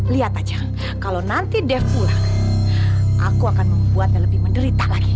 lihat aja kalau nanti dev pulang aku akan membuatnya lebih menderita lagi